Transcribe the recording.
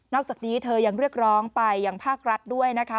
อกจากนี้เธอยังเรียกร้องไปยังภาครัฐด้วยนะคะ